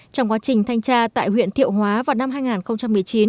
trong quá trình thanh tra tại huyện thiệu hóa vào năm hai nghìn một mươi chín